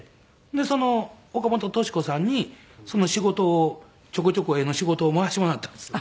で岡本敏子さんにその仕事をちょこちょこ絵の仕事を回してもらったんです。